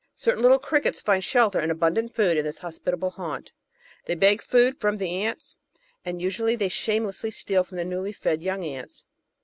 Certain little crickets find shelter and abun dant food in this hospitable haunt. They beg food from the ants, and usually they shamelessly steal from the newly fed yoimg ants.